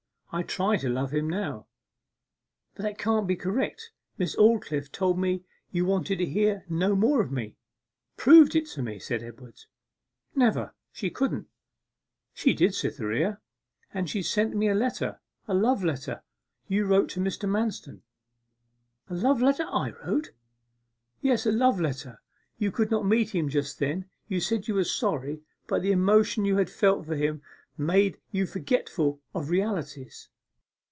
I try to love him now.' 'But that can't be correct! Miss Aldclyffe told me that you wanted to hear no more of me proved it to me!' said Edward. 'Never! she couldn't.' 'She did, Cytherea. And she sent me a letter a love letter, you wrote to Mr. Manston.' 'A love letter I wrote?' 'Yes, a love letter you could not meet him just then, you said you were sorry, but the emotion you had felt with him made you forgetful of realities.